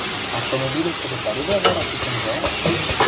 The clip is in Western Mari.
Автомобильӹштӹжӹ пӓледӓ вара кӱ шӹнзӓ?